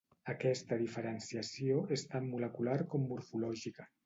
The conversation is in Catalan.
Aquesta diferenciació és tant molecular com morfològica.